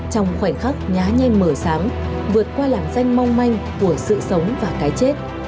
trong khoảnh khắc nhá nhanh mở sáng vượt qua làn danh mong manh của sự sống và cái chết